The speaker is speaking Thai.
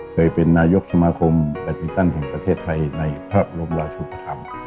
เคยเป็นนายกสมาคมแบตมินตันแห่งประเทศไทยในพระบรมราชุปธรรม